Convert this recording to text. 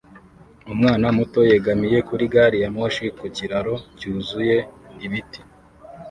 Umwana muto yegamiye kuri gari ya moshi ku kiraro cyuzuye ibiti